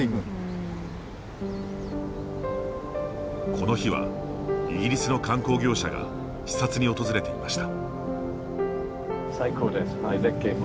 この日はイギリスの観光業者が視察に訪れていました。